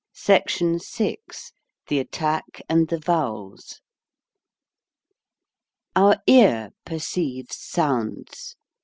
SECTION VI THE ATTACK AND THE VOWELS OUE ear perceives sounds.